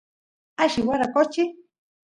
alli waraqochi